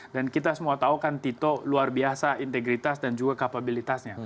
kita semua tahu kan tito luar biasa integritas dan juga kapabilitasnya